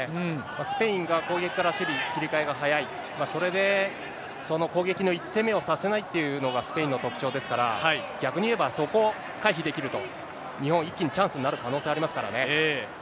スペインが攻撃から守備に切り替えが早い、それでその攻撃の一手目をさせないっていうのがスペインの特徴ですから、逆に言えば、そこを回避できると、日本、一気にチャンスになる可能性ありますからね。